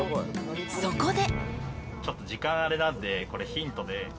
［そこで］